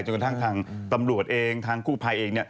กระทั่งทางตำรวจเองทางกู้ภัยเอง